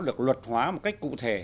được luật hóa một cách cụ thể